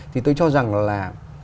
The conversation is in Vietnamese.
thì tôi cho rằng là